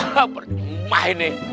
ha perjemah ini